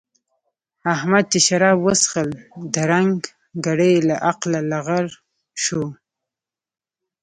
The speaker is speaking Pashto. احمد چې شراب وڅښل؛ درنګ ګړۍ له عقله لغړ شو.